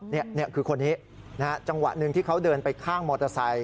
นี่คือคนนี้จังหวะหนึ่งที่เขาเดินไปข้างมอเตอร์ไซค